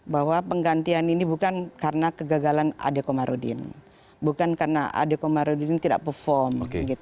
bahwa penggantian ini bukan karena kegagalan adekomarudin bukan karena adekomarudin tidak perform